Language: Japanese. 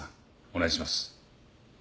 お願いします。